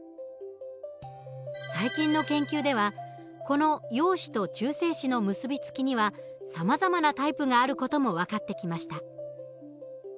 最近の研究ではこの陽子と中性子の結びつきにはさまざまなタイプがある事も分かってきました。